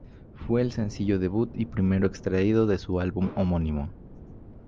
Fue el sencillo debut y primero extraído de su álbum homónimo.